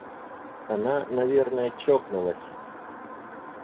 Она, наверное, чокнулась.